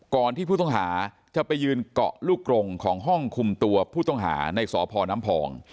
ก่อนที่ผู้ต้องหาจะไปยืนเกาะลูกกรงของห้องคุมตัวผู้ต้องหาในสพน้ำพอง